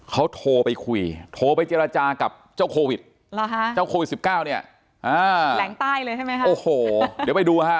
เขาโทรไปคุยโทรไปเจรจากับเจ้าโควิด